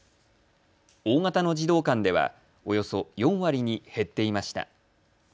大型の児童館ではおよそ４割に減っていました。